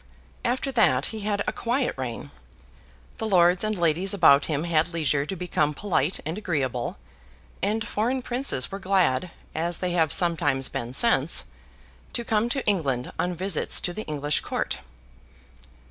After that, he had a quiet reign; the lords and ladies about him had leisure to become polite and agreeable; and foreign princes were glad (as they have sometimes been since) to come to England on visits to the English court.